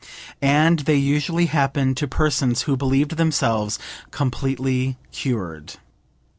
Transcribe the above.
And they usually happen to persons who believed themselves completely cured.